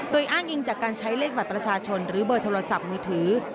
โดยอ้างอิงจากการใช้เลขบัตรประชาชนหรือเบอร์โทรศัพท์มือถือ